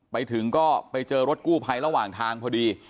ไปถึงก็ไปเจอรถกู้ภัยระหว่างทางพอดี